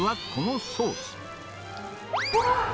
うわ！